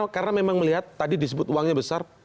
karena memang melihat tadi disebut uangnya besar